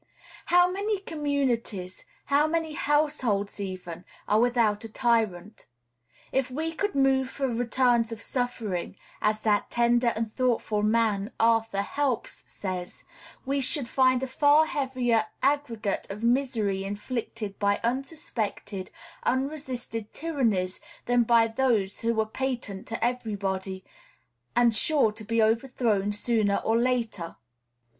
How many communities, how many households even, are without a tyrant? If we could "move for returns of suffering," as that tender and thoughtful man, Arthur Helps, says, we should find a far heavier aggregate of misery inflicted by unsuspected, unresisted tyrannies than by those which are patent to everybody, and sure to be overthrown sooner or later.